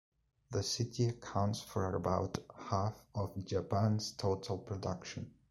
The city accounts for about half of Japan's total production.